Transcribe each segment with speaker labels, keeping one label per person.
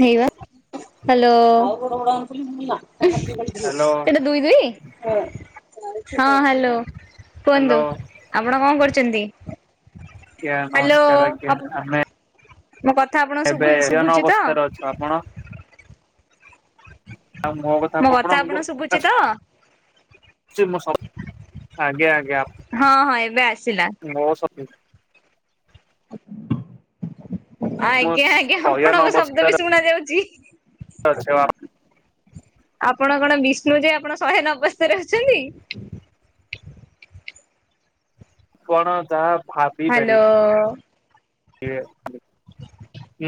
Speaker 1: ହେଇ ବା hello.
Speaker 2: Hello
Speaker 1: ଦୁଇ ଦୁଇ ହଁ ହାଲୋ
Speaker 2: ହ୍ୟାଲୋ
Speaker 1: କୁହନ୍ତୁ। ଆପଣ କଣ କରୁଛନ୍ତି?
Speaker 2: ଆଜ୍ଞା
Speaker 1: ହ୍ୟାଲୋ
Speaker 2: ନମସ୍କାର ଆଜ୍ଞା। ଆମେ
Speaker 1: ମୋ କଥା ଆପଣଙ୍କୁ
Speaker 2: ଏବେ
Speaker 1: ଶୁଭୁଚି
Speaker 2: ଅନ
Speaker 1: ଶୁଭୁଚି ତ?
Speaker 2: ଅବସ୍ଥାରେ ଆପଣ।
Speaker 1: ମୋ
Speaker 2: ଆଉ ମୋ
Speaker 1: କଥା ଆପଣଙ୍କୁ ଶୁଭୁଛି
Speaker 2: ଆସୁଛି
Speaker 1: ତ?
Speaker 2: ଆଜ୍ଞା ଆଜ୍ଞା।
Speaker 1: ହଁ ହଁ ଏବେ ଆସିଲା।
Speaker 2: [unintelligible] ମୁଁ
Speaker 1: ଆଜ୍ଞା ଆଜ୍ଞା
Speaker 2: ଶୟନ
Speaker 1: ଆପଣଙ୍କ ଶବ୍ଦ
Speaker 2: ଅବସ୍ଥାରେ
Speaker 1: ବି ଶୁଣା ଯାଉଛି।
Speaker 2: [inaudible]
Speaker 1: ଆପଣ କଣ ବିଷ୍ଣୁ ଯେ ଆପଣ ଶହେ ନବସ୍ତାରେ ଆସୁଛନ୍ତି।
Speaker 2: ଆପଣ ଯାହା ଭାବି
Speaker 1: ହ୍ୟାଲୋ।
Speaker 2: ପାରିବେ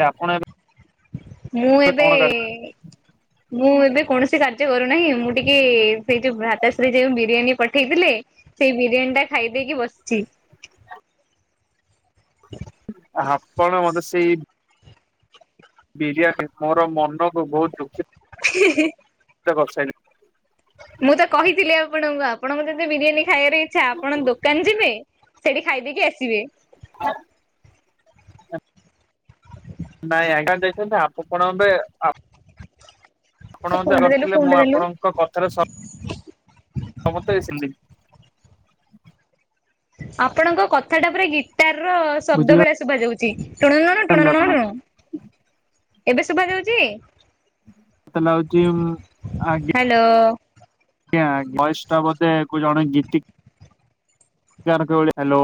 Speaker 2: ଆପଣ ଏବେ
Speaker 1: ମୁଁ ଏବେ
Speaker 2: କଣ କର
Speaker 1: ମୁଁ ଏବେ କୌଣସି କାର୍ଯ୍ୟ କରୁନାହିଁ। ମୁଁ ଟିକେ ସେଇ ଯୋଉ ଭ୍ରତାଶ୍ରୀ ଯେଉ ବିରିୟାନୀ ପଠେଇଥିଲେ ସେଇ ବିରିୟାନୀଟା ଖାଇ ଦେଇକି ବସିଛି। [inaudible]
Speaker 2: ଆପଣ ମତେ ସେଇ ବିରିୟାନୀ ମୋର ମନକୁ ବହୁତ ଦୁଖିତ
Speaker 1: [inaudible]
Speaker 2: କରି ସାଇଲେଣି।
Speaker 1: ମୁଁ ତ କହିଥିଲି ଆପଣଙ୍କୁ ଆପଣଙ୍କୁ ଯଦି ବିରିୟାନୀ ଖାଇବାର ଇଚ୍ଛା ଆପଣ ଦୋକାନ ଯିବେ ସେଠି ଖାଇ ଦେଇକି ଆସିବେ।
Speaker 2: [inaudible] ନାଇଁ ଆଜ୍ଞା ଦେଇଛନ୍ତି ଆପଣ କଣ ଏବେ
Speaker 1: ତ
Speaker 2: ଆପଣ
Speaker 1: ଫୋନ ଟା ଦେଲୁ
Speaker 2: [unintelligible]
Speaker 1: ଫୋନ ଟା
Speaker 2: ମୁଁ
Speaker 1: ଦେଲୁ
Speaker 2: ଆପଣ ଙ୍କ କଥାରେ ସମସ୍ତେ।
Speaker 1: ଆପଣଙ୍କ କଥାଟା ପୁରା ଗିଟାରର ଶବ୍ଦ ଭଳିଆ
Speaker 2: ବୁଝିପାରିଲେ
Speaker 1: ଶୁଭାଯାଉଛି। ଟୁଣୁୁ ଟୁଣୁୁ
Speaker 2: ଆପଣ
Speaker 1: ଟୁଣୁୁଣୁ ଏବେ ଶୁଭାଯାଉଛି।
Speaker 2: ମତେ ଲାଗୁଛି ଆଗ
Speaker 1: ହ୍ୟାଲୋ।
Speaker 2: ଆଜ୍ଞା ଭଏସଟା ବୋଧେ ଜଣେ ଗୀତି କାର ଙ୍କ ଭଳିଆ ହ୍ୟାଲୋ।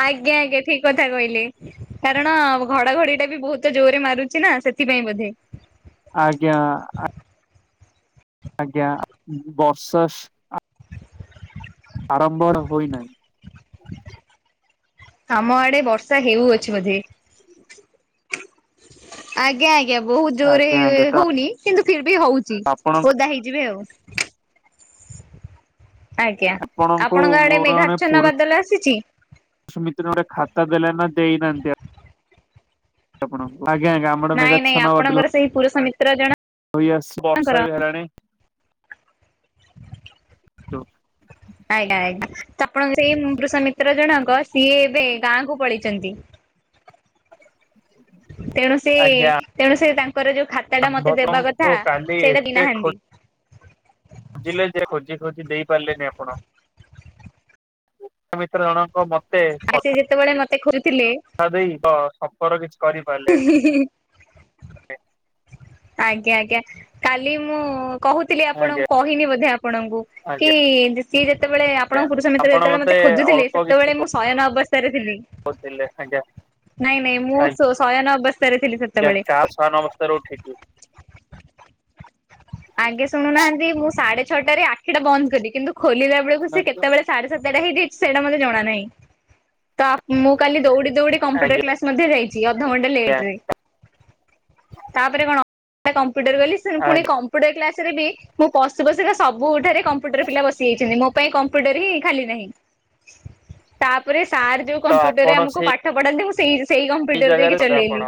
Speaker 1: ଆଜ୍ଞା ଆଜ୍ଞା ଠିକ କଥା କହିଲେ। କାରଣ ଘଡଘଡିଟା ବି ବହୁତ ଜୋରରେ ମାରୁଛି ନା ସେଥିପାଇଁ ବୋଧେ।
Speaker 2: ଆଜ୍ଞା ଆ ଆଜ୍ଞା ବର୍ଷା ଆରମ୍ଭ ହୋଇନାହିଁ।
Speaker 1: ଆମ ଆଡେ ବର୍ଷା ହେଉଅଛି ବୋଧେ। ଆଜ୍ଞା ଆଜ୍ଞା ବହୁତ
Speaker 2: ଆଜ୍ଞା
Speaker 1: ଜୋରରେ
Speaker 2: ଆଜ୍ଞା ତ
Speaker 1: ହଉନି କିନ୍ତୁ ଫିର ବି ହଉଛି
Speaker 2: ଆପଣ
Speaker 1: ଓଦା ହେଇଯିବେ ଆଉ। ଆଜ୍ଞା
Speaker 2: ଆପଣଙ୍କୁ
Speaker 1: ଆପଣଙ୍କ ଆଡେ
Speaker 2: ମୋର ଜଣେ
Speaker 1: ମେଘାଚ୍ଛନ୍ନ
Speaker 2: ପୁରୁଷ
Speaker 1: ବାଦଲ ଆସିଛି।
Speaker 2: [unintelligible] ଗୋଟେ ଖାତା ଦେଲେ ନା ଦେଇ ନାହାନ୍ତି। ଆପଣଙ୍କୁ ଆଜ୍ଞା ଆଜ୍ଞା ଆମ ଆଡ଼େ
Speaker 1: ନାଇଁ ନାଇଁ
Speaker 2: ମେଘାଛନ୍ନ ବାଦଲ
Speaker 1: ଆପଣଙ୍କର ସେଇ ପୁରୁଷ ମିତ୍ର ଜଣ
Speaker 2: [unintelligible] ବର୍ଷା ବି ହେଲାଣି। [inaudible]
Speaker 1: ଆଜ୍ଞା ଆଜ୍ଞା ଆପଣଙ୍କ ସେଇ ପୁରୁଷମିତ୍ର ଜଣକ ସିଏ ଏବେ ଗାଁକୁ ପଳେଇଛନ୍ତି। ତେଣୁ ସେ
Speaker 2: ଆଜ୍ଞା
Speaker 1: ତେଣୁ ସେ ତାଙ୍କର ଯୋଉ ଖାତା ଟା ମତେ ଦେବା
Speaker 2: ଆମ୍ଭଙ୍କୁ
Speaker 1: କଥା
Speaker 2: କାଲି
Speaker 1: ସେଇଟା
Speaker 2: ଏତେ
Speaker 1: ଦେଇନାହାନ୍ତି।
Speaker 2: ଖୋଜିଲେ ଯେ ଖୋଜି ଖୋଜି ଦେଇପାରିଲେନି ଆପଣ [unintelligible] ତେ
Speaker 1: ଆଉ ସେ ଯେତେବେଳେ ମତେ ଖୋଜୁଥିଲେ
Speaker 2: କଥା ଦେଇ ତ ସମ୍ପର୍କ କିଛି କରିପାରିଲେନି।
Speaker 1: [unintelligible] ଆଜ୍ଞା ଆଜ୍ଞା କାଲି ମୁଁ କହୁଥିଲି
Speaker 2: ଆଜ୍ଞା
Speaker 1: ଆପଣଙ୍କୁ କହିନି ବୋଧେ ଆପଣଙ୍କୁ କି
Speaker 2: ଆଜ୍ଞା
Speaker 1: ସିଏ ଯେତେବେଳେ ଆପଣଙ୍କ ପୁରୁଷ ମିତ୍ର
Speaker 2: ଆପଣ
Speaker 1: ଯେତେବେଳେ ମତେ ଖୋଜୁଥିଲେ
Speaker 2: ଅଳ୍ପ କିଛି
Speaker 1: ସେତେବେଳେ ମୁଁ ଶୟନ ଅବସ୍ଥାରେ ଥିଲି।
Speaker 2: [unintelligible]
Speaker 1: ନାଇଁ ନାଇଁ ମୁଁ
Speaker 2: ଆଜ୍ଞା
Speaker 1: ଶୟନ ଅବସ୍ଥାରେ ଥିଲି ସେତେବେଳେ।
Speaker 2: [unintelligible] [unintelligible]
Speaker 1: ଆଗେ ଶୁଣୁନାହାନ୍ତି ମୁଁ ସାଢେ ଛଅଟାରେ ଆଖି ଟା ବନ୍ଦ କରିଲି କିନ୍ତୁ ଖୋଲିଲା ବେଳକୁ ସେ କେତେ ବେଳେ ସାଢେ ସାତେଟା ହେଇଯାଇଛି ସେଇଟା ମତେ ଜଣା ନାହିଁ ତ ମୁଁ କାଲି ଦୌଡି ଦୌଡି କମ୍ପୁଟର
Speaker 2: ଆଜ୍ଞା
Speaker 1: କ୍ଳାସ୍ ମଧ୍ୟ ଯାଇଛି ଅଧଘଣ୍ଟା ଲେଟରେ ତାପରେ କଣ କମ୍ପ୍ୟୁଟର ଗଲି ସେ
Speaker 2: ଆ
Speaker 1: ପୁଣି କମ୍ପ୍ୟୁଟର କ୍ଲାସ ରେ ବି ମୁଁ ପଶୁ ପଶୁ କା ସବୁଠାରେ କମ୍ପ୍ୟୁଟର ପିଲା ବସିଯାଇଛନ୍ତି ମୋ ପାଇଁ କମ୍ପ୍ୟୁଟର ହିଁ ଖାଲି ନାହିଁ। ତାପରେ ସାର୍ ଯୋଉ
Speaker 2: ତ
Speaker 1: କମ୍ପ୍ୟୁଟରରେ
Speaker 2: ଆପଣ
Speaker 1: ଆମକୁ
Speaker 2: ସେଇ
Speaker 1: ପାଠ ପଢାନ୍ତି ମୁଁ ସେଇ ସେଇ କମ୍ପ୍ୟୁଟର
Speaker 2: ଜାଗାରେ
Speaker 1: ଯାଇକି
Speaker 2: ବୋଧେ ଆପଣ
Speaker 1: ଚଲେଇଲି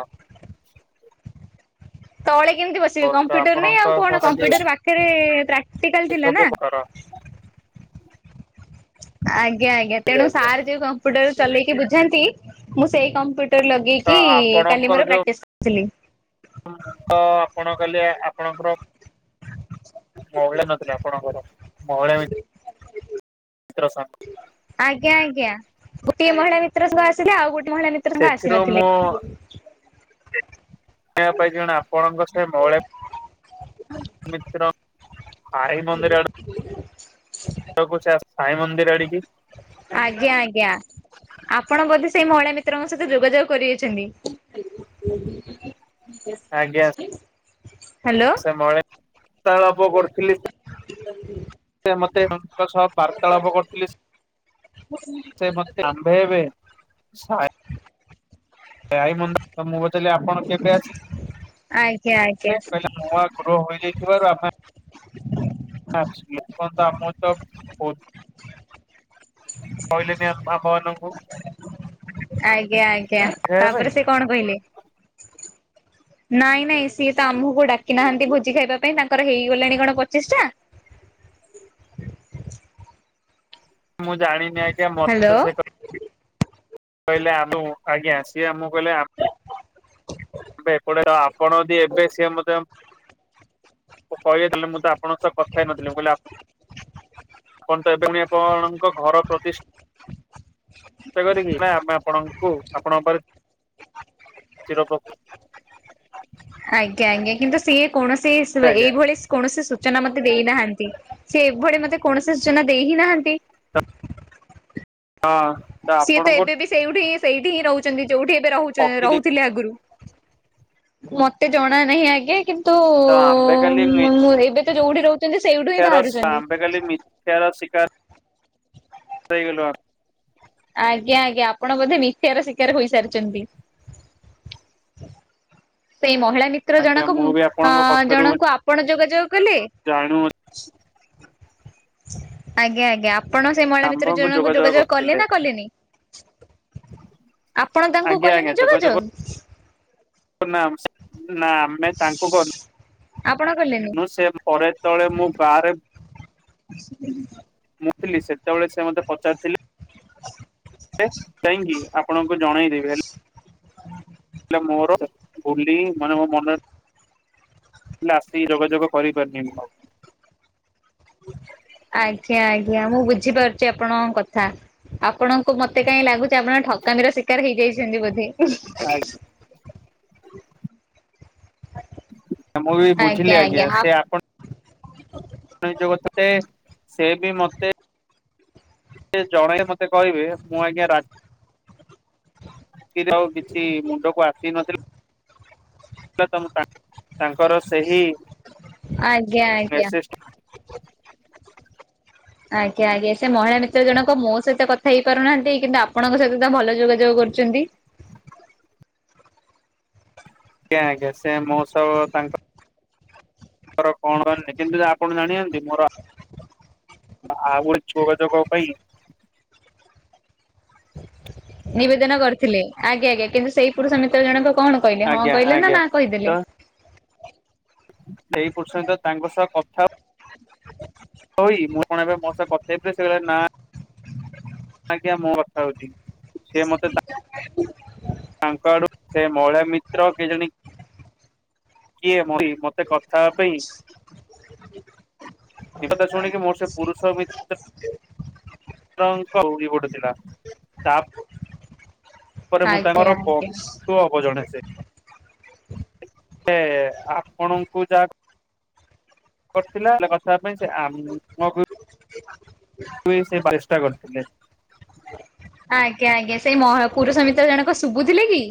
Speaker 1: ତଳେ କେମତି ବସ
Speaker 2: ତ
Speaker 1: କମ୍ପ୍ୟୁଟର ନାହିଁ ଆଉ
Speaker 2: ଆପଣଙ୍କ ସହ
Speaker 1: କଣ
Speaker 2: ଖାଲି
Speaker 1: କମ୍ପୁଟର ପାଖରେ ପ୍ରାକ୍ଟିକାଲ ଥିଲା
Speaker 2: ସବୁ
Speaker 1: ନା।
Speaker 2: ଘର
Speaker 1: ଆଜ୍ଞା ଆଜ୍ଞା ତେଣୁ
Speaker 2: ତ
Speaker 1: ସାର୍ ଯୋଉ କମ୍ପ୍ୟୁଟର ଚଲେଇକି ବୁଝାନ୍ତି ମୁଁ ସେଇ କମ୍ପୁଟ ଟର୍ ଲଗେଇକି କାଲି
Speaker 2: ଆପଣଙ୍କର
Speaker 1: ମୋର
Speaker 2: ଯୋଉ
Speaker 1: ପ୍ରାକ୍ଟିସ କରିଥିଲି।
Speaker 2: ତ ଆପଣ କହିଲେ ଆପଣଙ୍କର
Speaker 1: [unintelligible]
Speaker 2: ମହିଳା ନଥିଲେ ଆପଣଙ୍କର ମହିଳା ମିତ୍ର। [unintelligible]
Speaker 1: ଆଜ୍ଞା ଆଜ୍ଞା ଗୋଟିଏ ମହିଳା ମିତ୍ର ସାଙ୍ଗ ଆସିଲେ ଆଉ ଗୋଟେ ମହିଳା ମିତ୍ର ସାଙ୍ଗ
Speaker 2: ସେଥିରୁ ମୁଁ
Speaker 1: ଆସିନଥିଲେ।
Speaker 2: ଶୁଣିବା ଶୁଣିବାକୁ ପାଇଛି କଣ ଆପଣଙ୍କ ସେ ମହିଳା ମିତ୍ର ସାଇ ମନ୍ଦିର ଆଡେ
Speaker 1: [unintelligible]
Speaker 2: [unintelligible] ସାଇ ମନ୍ଦିର ଆଡିକି।
Speaker 1: ଆଜ୍ଞା ଆଜ୍ଞା। ଆପଣ ବୋଧେ ସେଇ ମହିଳା ମିତ୍ରଙ୍କ ସହିତ ଯୋଗାଯୋଗ କରିଇଛନ୍ତି।
Speaker 2: ଆଜ୍ଞା
Speaker 1: ହ୍ୟାଲୋ
Speaker 2: ବାର୍ତ୍ତଳାପ କରିଥିଲି ସେ ମତେ ସହ ବାର୍ତ୍ତାଳାପ କରିଥିଲି
Speaker 1: [unintelligible]
Speaker 2: ସେ ମତେ ଆମ୍ଭେ ଏବେ
Speaker 1: [unintelligible]
Speaker 2: [unintelligible]
Speaker 1: ଆଜ୍ଞା
Speaker 2: ଆଗ୍ରହ
Speaker 1: ଆଜ୍ଞା
Speaker 2: ହୋଇଯାଇଥିବାରୁ ଆମେ [unintelligible] କହିଲେନି ଆମ ମାନଙ୍କୁ
Speaker 1: ଆଜ୍ଞା ଆଜ୍ଞା
Speaker 2: ଖାଇବା ପାଇଁ
Speaker 1: ତାପରେ ସେ କଣ୍ କହିଲେ? ନାଇଁ ନାଇଁ ସିଏ ତ ଆମକୁ ଡାକି ନାହାନ୍ତି ଭୋଜି ଖାଇବା ପାଇଁ ତାଙ୍କର ହେଇଗଲାଣି କଣ୍ ପଚିଶ ଟା?
Speaker 2: ମୁଁ ଜାଣିନି ଆଜ୍ଞା ମତେ
Speaker 1: ହ୍ୟାଲୋ
Speaker 2: ତ ସେ କହିଲେ ଆମ ଆଜ୍ଞା ସିଏ ଆମକୁ କହିଲେ
Speaker 1: [unintelligible]
Speaker 2: ଏବେ ଏପଟେ ଟା ଆପଣ ଅଦିଏବେସିଏ [unintelligible] [unintelligible] ମୁଁ ତ ଆପଣଙ୍କ ସହ କଥାହେଇ ନଥିଲିମୁଁ କହିଲି ଆପଣ ଆପଣ ତ ଏବେ ପୁଣି ଆପଣଙ୍କ ଘର ପ୍ରତିଷ୍ [unintelligible] କରିକି ଆମେ ଆପଣଙ୍କୁ ଆପଣଙ୍କ [unintelligible]
Speaker 1: ଆଜ୍ଞା ଆଜ୍ଞା କିନ୍ତୁ ସିଏ କୌଣସି [unintelligible]
Speaker 2: ଆଜ୍ଞା
Speaker 1: ଏଇଭଳି କୌଣସି ସୂଚନା ମତେ ଦେଇନାହାଁନ୍ତି ସେ ଏଭଳି ମତେ କୌଣସି ସୂଚନା ଦେଇ ହି ନାହାଁନ୍ତି।
Speaker 2: [unintelligible]
Speaker 1: ସିଏ ତ ଏବେ ବି ସେଉଠି ସେଇଠି ହିଁ ରୋହୁଚନ୍ତି ଯୋଉଠି ଏବେ ରୋହୁଚ
Speaker 2: ଠକି ଦେଇ
Speaker 1: ରୋହୁଥିଲେ ଆଗୁରୁ। ମତେ ଜଣା ନାହିଁ ଆଜ୍ଞା କି
Speaker 2: ତ ଆମ୍ବେକାଲି ନି
Speaker 1: ଏବେ ତ ଯୋଉଠି ରୋହୁଚନ୍ତି ସେଉଠୁ
Speaker 2: [unintelligible]
Speaker 1: ଆଜ୍ଞା ଆଜ୍ଞା ଆପଣ ବୋଧେ ମିଥ୍ୟାର ଶିକାର ହୋଇସାରିଚନ୍ତି। ସେଇ ମହିଳା ମିତ୍ର
Speaker 2: ଆଜ୍ଞା
Speaker 1: ଜଣକ
Speaker 2: ମୁଁ ବି
Speaker 1: ଅ
Speaker 2: ଆପଣଙ୍କ କଥାରୁ
Speaker 1: ଜଣଙ୍କୁ ଆପଣ ଯୋଗାଯୋଗ କଲେ?
Speaker 2: ଜାଣୁ
Speaker 1: ଆଜ୍ଞା ଆଜ୍ଞା ଆପ୍ ଆପଣ ସେଇ ମହିଳା ଭିତୁରୁ
Speaker 2: ଆମ୍ଭଙ୍କୁ
Speaker 1: ଜଣଙ୍କୁ ଯୋଗାଯୋଗ କଲେ
Speaker 2: କରିଥିଲେ
Speaker 1: ନା କଲେନି? ଆପଣ ତାଙ୍କୁ
Speaker 2: ଆଜ୍ଞା
Speaker 1: କଲେନି ଯୋଗାଯୋଗ?
Speaker 2: [unintelligible] ନାଇଁ ତାଙ୍କୁ
Speaker 1: ଆପଣ କଲେନି?
Speaker 2: କରିନୁ ମୁଁ ସେ ପରେ ଯେତେବେଳେ ମୁଁ ବାହାରେ
Speaker 1: [inaudible]
Speaker 2: ମୁଁଥିଲି ସେତେବେଳେ ସେ ମତେ ପଚାରିଥିଲେ କାହିଁକି ଆପଣଙ୍କୁ ଜଣେଇଦେବି ହେଲେ ହେଲେ ମୋର ଭୁଲି ମାନେ ମୋ ମନରେ ହେଲେ ଆସିକି ଯୋଗାଯୋଗ କରିପାରିନି ମୁଁ ଆଉ।
Speaker 1: ଆଜ୍ଞା ଆଜ୍ଞା ମୁଁ ବୁଝିପାରୁଚି ଆପଣଙ୍କ କଥା। ଆପଣଙ୍କୁ ମତେ କାଇଁ ଲାଗୁଚି ଆପଣ ଠକାମିର ଶିକାର ହେଇଯାଇଚନ୍ତି ବୋଧେ।
Speaker 2: [unintelligible] ମୁଁ ବି ବୁଝିଲି ଆଜ୍ଞା ସେ ଆପଣ [unintelligible] ସେ ବି ମତେ ସେ ଜଣେ ମତେ କହିବେ ମୁଁ ଆଜ୍ଞାରାତ [unintelligible] ଆଉ କିଛି ମୁଣ୍ଡକୁ ଆସି ନଥିଲା। [unintelligible] ତାଙ୍କର
Speaker 1: ଆଜ୍ଞା ଆଜ୍ଞା।
Speaker 2: ସେହିମେସେଜ ଟିକୁ
Speaker 1: ଆଜ୍ଞା ଆଜ୍ଞା ସେ ମହିଳା ମିତ୍ର ଜଣକ ମୋ ସହିତ କଥା ହେଇପାରୁନାହାନ୍ତି କିନ୍ତୁ ଆପଣଙ୍କ ସହିତ ତା ଭଲ ଯୋଗାଯୋଗ କରୁଚନ୍ତି।
Speaker 2: ଆଜ୍ଞା ଆଜ୍ଞା ସେ ମୋସ ତାଙ୍କ [unintelligible] କିନ୍ତୁ ଆପଣ ଜାଣିଚନ୍ତି ମୋର ଆଉ ଗୋଟେ [unintelligible] ପାଇଁ।
Speaker 1: ନିବେଦନ କରିଥିଲେ ଆଜ୍ଞ ଆଜ୍ଞା କିନ୍ତୁ ସେଇ ପୁରୁଷ ମିତ୍ର ଜଣକ କଣ କଇଲେ ହଁ
Speaker 2: ଆଜ୍ଞା
Speaker 1: କଇଲେ ନା
Speaker 2: ଆଜ୍ଞା
Speaker 1: ନା।
Speaker 2: ତ
Speaker 1: କହିଦେଲେ।
Speaker 2: ସେଇ [unintelligible] ତାଙ୍କ ସହ କଥା ହ
Speaker 1: [inaudible]
Speaker 2: ହୋଇ ମୁଁ କଣ ଏବେ ମୋ ସଅ କଥହେବେ ସେକହିଲେ ନା ଆଜ୍ଞା ମୁଁ କଥା ହୋଉଚି ସିଏ ମତେ
Speaker 1: [inaudible]
Speaker 2: ତାଙ୍କ ଆଡୁ ସେ ମହିଳା ମିତ୍ର କେ ଜାଣି କିଏ ମରି ମତେ କଥା ପାଇଁ
Speaker 1: [inaudible]
Speaker 2: ଏ କଥା ଶୁଣିକି ମୋର ସେ ପୁରୁଷ ମିତ୍ର ଙ୍କ ଉଗୀ ପୁଡୁଥିଲା। ତା ପରେ ମୁଁ
Speaker 1: ଆଜ୍ଞା
Speaker 2: ତାଙ୍କର ବ
Speaker 1: ଆଜ୍ଞା
Speaker 2: ପୁଅ ହବ ଜଣେ ସେ। ସେ ଆପଣଙ୍କୁ ଯା କରିଥିଲା କଥାହବା ପାଇଁ ସେ ଆମକୁ
Speaker 1: [unintelligible]
Speaker 2: ତୁଇ ସେ ବାଇଷ୍ଟା କରିଥିଲେ।
Speaker 1: ଆଜ୍ଞା ଆଜ୍ଞା ସେଇ ମହ ପୁରୁଷ ମିତ୍ର ଜଣକ ଶୁଭୁଥିଲେ କି?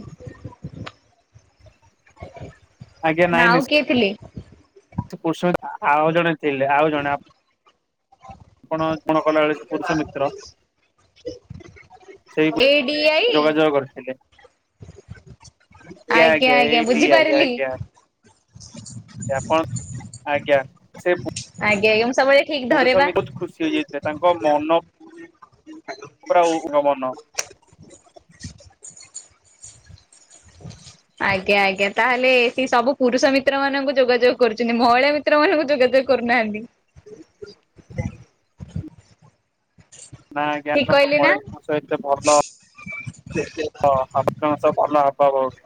Speaker 1: ନାଁ ଆଉ କିଏ ଥିଲେ?
Speaker 2: ମୋ ସହିତ ଆ ଆଉ ଜଣେ ଥିଲେ, ଆଉ ଜଣେ ଆ ଆପଣ କଣ କଲାବେଳେ ପୁରୁଷ ମିତ୍ର। ସେହି
Speaker 1: ଏ ଡି ଆଇ
Speaker 2: ଯୋଗାଯୋଗ କରିଥିଲେ। ଆଜ୍ଞା ଆଜ୍ଞା ଏଇ ଦି ଆଇ। ଜ୍ଞାପଣ ଆଜ୍ଞା ସେ ପୁ
Speaker 1: ଆଜ୍ଞା ଆଜ୍ଞା ମୁଁ ସବୁବେଳେ ଠିକ ଧରେ
Speaker 2: ପୁରୁଷ
Speaker 1: ବା।
Speaker 2: ମି ବି ବହୁତ ଖୁସି ହେଇଯାଇଥିଲେ ତାଙ୍କ ମନ ପୁରା ଉଗ ମନ।
Speaker 1: ଆଜ୍ଞା ଆଜ୍ଞା ତାହେଲେ ସେ ସବୁ ପୁରୁଷ ମିତ୍ର ମାନଙ୍କୁ ଯୋଗାଯୋଗ କରୁଛନ୍ତି ମହିଳା ମି ତ୍ର ମାନଙ୍କୁ ଯୋଗାଯୋଗ କରୁନାହାନ୍ତି।
Speaker 2: ନାଁ
Speaker 1: ଠିକ
Speaker 2: ଜ୍ଞାନଙ୍କ
Speaker 1: କହିଲି ନା?
Speaker 2: ମଳିଙ୍କ ସହିତ ଭଲ। ଅ ଅ ଆ କାର୍ତ୍ତିକ ମାସ [unintelligible]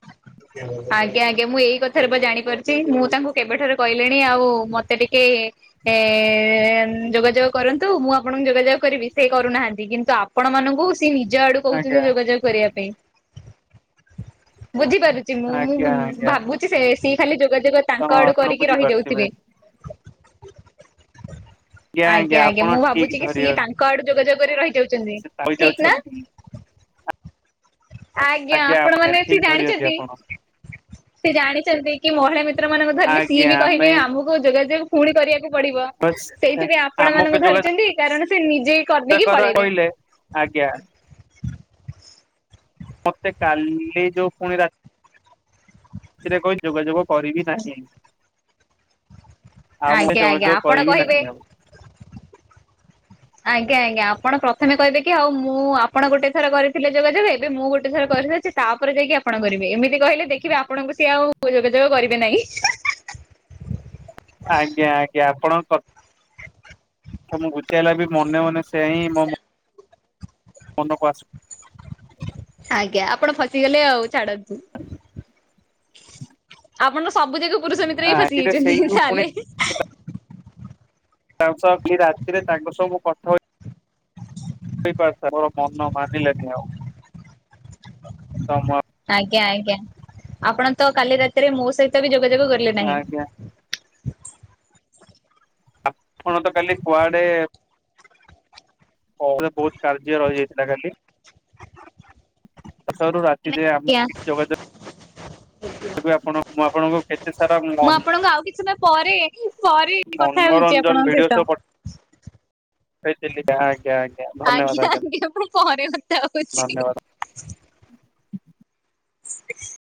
Speaker 1: ହ ଆଜ୍ଞା ଆଜ୍ଞା ମୁଁ ଏଇ କଥାରେ ବା ଜାଣି ପାରୁଛି ମୁଁ ତାଙ୍କୁ କେବେଠାରୁ କହିଲିଣି ଆଉ ମତେ ଟିକେ ଏ ଯୋଗାଯୋଗ କରନ୍ତୁ, ମୁଁ ଆପଣଙ୍କୁ ଯୋଗାଯୋଗ କରିବି, ସେଇ କରୁନାହାନ୍ତି କିନ୍ତୁ ଆପଣ ମାନଙ୍କୁ ସିଏ ନିଜ ଆଡୁ କହୁଛନ୍ତି
Speaker 2: ଆଜ୍ଞା
Speaker 1: ଯୋଗାଯୋଗ କରିବା ପାଇଁ, ବୁଝିପାରୁଛି ମୁଁ ମୁଁ
Speaker 2: ଆଜ୍ଞା
Speaker 1: ଉଁ
Speaker 2: ଆଜ୍ଞା
Speaker 1: ଭାବୁ ସି ସେ ସିଏ ଖାଲି ଯୋଗାଯୋଗ
Speaker 2: ତ
Speaker 1: ତାଙ୍କ ଆଡୁ
Speaker 2: ଆପଣ
Speaker 1: କରିକି
Speaker 2: ବୁଝିପାରୁଥିବେ
Speaker 1: ରହିଯାଉଥିବେ। ଆଜ୍ଞା ଆଜ୍ଞା
Speaker 2: ଆପଣ
Speaker 1: ମୁଁ ଭାବୁଛି
Speaker 2: ଠିକ
Speaker 1: କି,
Speaker 2: ଧରି
Speaker 1: ସିଏ ତାଙ୍କ ଆଡୁ ଯୋଗାଯୋଗ କରି ରହିଯାଉଛନ୍ତି
Speaker 2: ସେ
Speaker 1: ଠିକ ନାଁ।
Speaker 2: ରହିଯାଉଛନ୍ତି
Speaker 1: ଆଜ୍ଞା ଆପଣ
Speaker 2: ଆଜ୍ଞା
Speaker 1: ମାନେ ସେ
Speaker 2: ଠିକ ଧରିଛନ୍ତି
Speaker 1: ଜାଣିଛନ୍ତି,
Speaker 2: ଆପଣ
Speaker 1: ସେ ଜାଣିଛନ୍ତି କି ମହିଳା ମି ଆପଣ ମାନଙ୍କୁ ଧରିରେ ସିଏ
Speaker 2: ଆଜ୍ଞା
Speaker 1: ବି କହିବେ
Speaker 2: ଆମେ
Speaker 1: ଆମକୁ। ଯୋଗାଯୋଗ ପୁଣି କରିବାକୁ ପଡିବ
Speaker 2: ବସ୍
Speaker 1: ସେଇଥିପାଇଁ ଆପଣ ମାନଙ୍କୁ
Speaker 2: ଆମକୁ ଯୋଗା
Speaker 1: ଧରିଛନ୍ତି କାରଣ ସେ ନିଜେ କରିଦେଇକି
Speaker 2: କର
Speaker 1: ପଳେଇବେ।
Speaker 2: କହିଲେ, ଆଜ୍ଞା। ମତେ କାଲି ଯୋଉ ପୁଣି ରା ଏଥିରେ କହି ଯୋଗାଯୋଗ କରିବି ନାହିଁ। ଆଉ ମୁଁ ଏ
Speaker 1: ଆଜ୍ଞା
Speaker 2: ଯୋଗା
Speaker 1: ଆଜ୍ଞା
Speaker 2: ଯୋଗ
Speaker 1: ଆପଣ
Speaker 2: କରିବି
Speaker 1: କହିବେ
Speaker 2: ନାହିଁ ଆଉ।
Speaker 1: ଆଜ୍ଞା ଆଜ୍ଞା ଆପଣ ପ୍ରଥମେ କହିବେ କି ଆଉ ମୁଁ ଆପଣ ଗୋଟେ ଥର କରିଥିଲେ ଯୋଗାଯୋଗ ଏବେ ଏବେ ମୁଁ ଗୋଟେ ଥର କରିଦେଇଛି। ତାପରେ ଯାଇକି ଆପଣ କରିବେ, ଏମିତି କହିଲେ ଦେଖିବେ ଆପଣଙ୍କୁ ସିଏ ଆଉ ଯୋଗାଯୋଗ କରିବେ ନାହିଁ।
Speaker 2: ଆଜ୍ଞା ଆଜ୍ଞା ଆପଣ କ ମୁଁ ବୁଝାଇଲା ବି ମନେ ମନେ ସେହି ହାଁ ମୋ ମନ ମନକୁ ଆସୁ,
Speaker 1: ଆଜ୍ଞା ଆପଣ ଫସିଗଲେ ଆଉ ଛାଡନ୍ତୁ। ଆପଣ ତ ସବୁ ଯାକ ପୁରୁଷ ମିତ୍ର ହିଁ
Speaker 2: ରାତିରେ
Speaker 1: ଫସିଯାଇଛନ୍ତି
Speaker 2: ସେଇଠୁ ପୁଣି
Speaker 1: ତାହେଲେ।
Speaker 2: ତାଙ୍କ ସହ କି ରାତିରେ ତାଙ୍କ ସହ ମୁଁ କଥା ହ [unintelligible] ମନ ମାନିଲା ନି ଆଉ ତମ
Speaker 1: ଆଜ୍ଞା ଆଜ୍ଞା ଆପଣ ତ କାଲି ରାତିରେ ମୋ ସହିତ ବି ଯୋଗାଯୋଗ କଲେ ନାହିଁ।
Speaker 2: ଆଜ୍ଞା ଆପଣ ତ କାଲି କୁଆଡେ ହ ବହୁତ କାର୍ଯ୍ୟ ରହିଯାଇଥିଲା ଖାଲି। ରୁ ରାତିରେ ଆମ
Speaker 1: ଆଜ୍ଞା
Speaker 2: କିଛି ଯୋଗାଯୋଗ ଆପଣ ମୁଁ ଆପଣଙ୍କ
Speaker 1: ମୁଁ ଆପଣଙ୍କୁ ଆଉ କିଛି ସମୟ ପରେ ପରେ କଥା ହେଉଛି
Speaker 2: ମନୋରଞ୍ଜନ
Speaker 1: ଆପଣଙ୍କ ସହିତ।
Speaker 2: ବଇତାେ ଆେ [unintelligible]
Speaker 1: ଆଜ୍ଞା ଆଜ୍ଞା ମୁଁ ପରେ କଥା ହଉଛି
Speaker 2: ଧନ୍ୟବାଦ
Speaker 1: [unintelligible]